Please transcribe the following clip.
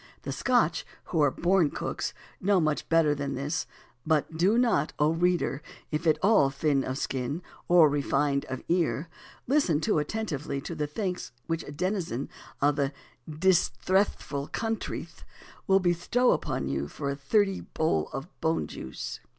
The Scotch, who are born cooks, know much better than this; but do not, O reader, if at all thin of skin, or refined of ear, listen too attentively to the thanks which a denizen of the "disthressful counthry" will bestow upon you for a "dhirty bowl o' bone juice."